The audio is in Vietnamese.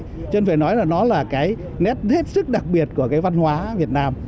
chứ không phải nói là nó là cái nét hết sức đặc biệt của cái văn hóa việt nam